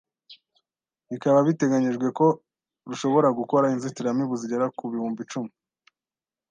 bikaba biteganyijwe ko rushobora gukora inzitiramubu zigera ku bihumbi cumi